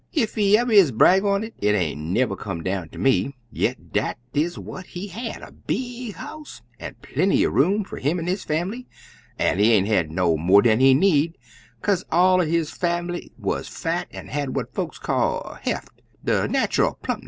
Ef he y'ever is brag un it, it aint never come down ter me. Yit dat's des what he had a big house an' plenty er room fer him an' his fambly; an' he aint had mo' dan he need, kaze all er his fambly wuz fat an' had what folks calls heft de nachal plunkness.